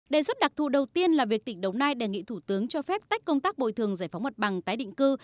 đề xuất đặc thù đầu tiên là việc tỉnh đồng nai đề nghị thủ tướng cho phép tách công tác bồi thường giải phóng mặt bằng tái định cư